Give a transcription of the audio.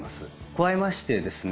加えましてですね